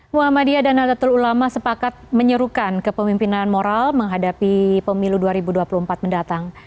muhammadiyah dan nadatul ulama sepakat menyerukan kepemimpinan moral menghadapi pemilu dua ribu dua puluh empat mendatang